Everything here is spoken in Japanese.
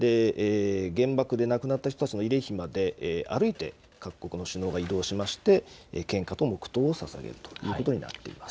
原爆で亡くなった人たちの慰霊碑まで歩いて各国の首脳が移動しまして、献花と黙とうをささげるということになっています。